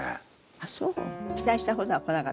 あっそう？